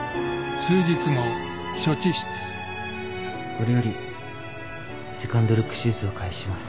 これよりセカンドルック手術を開始します。